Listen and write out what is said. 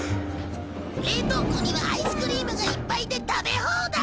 冷凍庫にはアイスクリームがいっぱいで食べ放題！